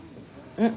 うん。